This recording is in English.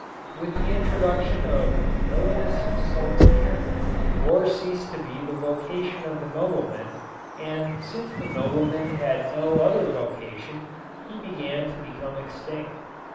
With the introduction of "villainous saltpeter" war ceased to be the vocation of the nobleman and since the nobleman had no other vocation he began to become extinct.